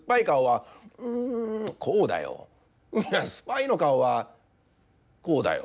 「スパイのかおはこうだよ」。